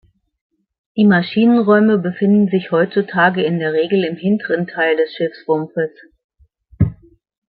Die Maschinenräume befinden sich heutzutage in der Regel im hinteren Teil des Schiffsrumpfes.